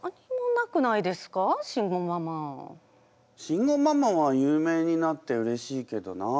慎吾ママは有名になってうれしいけどな。